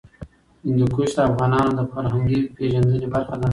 هندوکش د افغانانو د فرهنګي پیژندنې برخه ده.